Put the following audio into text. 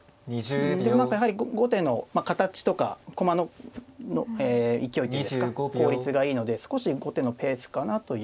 でも何かやはり後手の形とか駒の勢いっていうんですか効率がいいので少し後手のペースかなという。